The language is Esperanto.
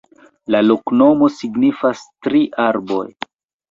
La loknomo signifas: tri arboj.